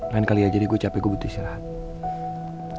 lain kali aja deh gue capek gue butuh istirahat